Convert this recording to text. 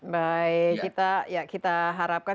baik kita harapkan